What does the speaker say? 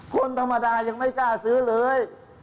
คนธรรมดายังไม่กล้าซื้อเลย